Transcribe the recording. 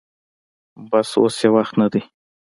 بس اوس يې وخت نه دې.